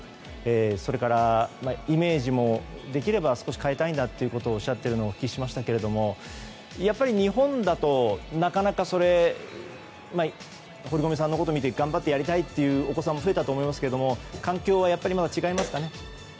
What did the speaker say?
それからイメージも、できれば少し変えたいんだということをおっしゃっているのをお聞きしましたけど日本だと、堀米さんのこと見て頑張ってやりたいというお子さんも増えたと思いますけど環境はやっぱりまだ違いますかね。